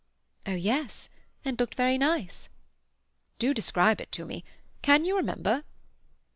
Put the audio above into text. "Oh yes. And looked very nice." "Do describe it to me. Can you remember?"